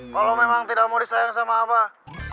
kalau memang tidak mau disayang sama abah